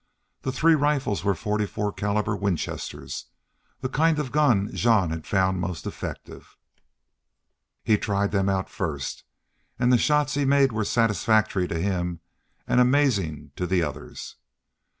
The three rifles were forty four calibre Winchesters, the kind of gun Jean had found most effective. He tried them out first, and the shots he made were satisfactory to him and amazing to the others.